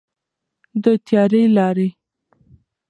د تیارې لارې.